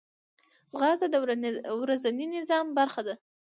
ځغاسته د ورځني نظام برخه ده